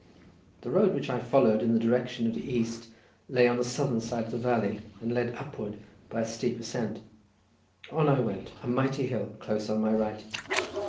The road which I followed in the direction of the east, lay on the southern side of the valley, and led upward by a steep ascent. On I went, a mighty hill close on my right.